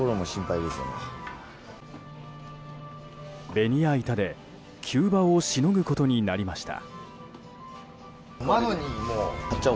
ベニヤ板で急場をしのぐことになりました。